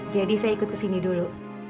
jadi saya ikut ke sini dulu